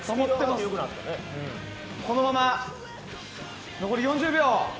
このまま残り４０秒。